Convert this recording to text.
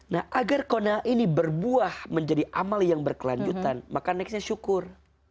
nah agar ⁇ kona ini berbuah menjadi amal yang berkelanjutan maka nextnya syukur